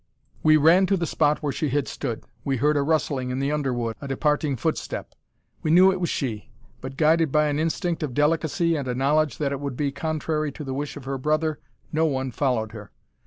We ran to the spot where she had stood. We heard a rustling in the underwood, a departing footstep. We knew it was she; but guided by an instinct of delicacy, and a knowledge that it would be contrary to the wish of her brother, no one followed her.